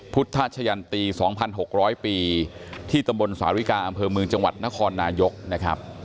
พุทธชะยันตี๒๖๐๐ปีที่ตำบลสาริกาอำเภอเมืองจังหวัดนครนายกนะครับ